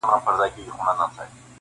حقيقت ورو ورو ښکاره کيږي تل,